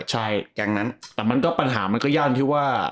ใช่แต่มันก็ปัญหามันก็ย่านที่ว่า